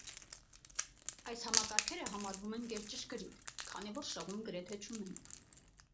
Այս համակարգերը համարվում են գերճշգրիտ, քանի որ շեղում գրեթե չունեն։